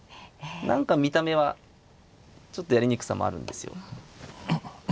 何か見た目はちょっとやりにくさもあるんですよ。